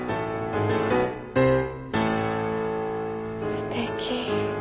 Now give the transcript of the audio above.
すてき。